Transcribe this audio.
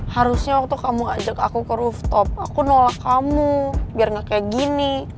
harusnya waktu kamu ajak aku ke rooftop aku nolak kamu biar gak kayak gini